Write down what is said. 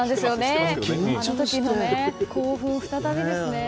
あの時の興奮、再びですね。